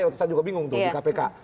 waktu itu saya juga bingung tuh di kpk